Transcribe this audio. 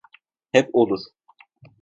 Hep olur.